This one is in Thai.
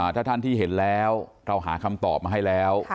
ถ้าท่านที่เห็นแล้วเราหาคำตอบมาให้แล้ว